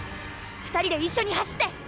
２人で一緒に走って！